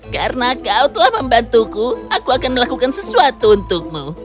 karena kau telah membantuku aku akan melakukan sesuatu untukmu